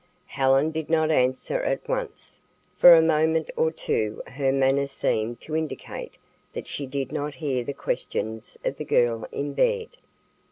Helen did not answer at once. For a moment or two her manner seemed to indicate that she did not hear the questions of the girl in bed.